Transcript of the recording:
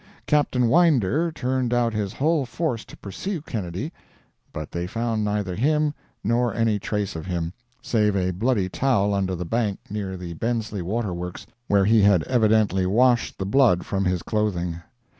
Captain Winder turned out his whole force to pursue Kennedy, but they found neither him nor any trace of him, save a bloody towel under the bank near the Bensley Water Works, where he had evidently washed the blood from his clothing.